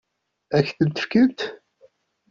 Ad k-tent-fkent?